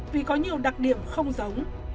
vì có nhiều đặc điểm không giống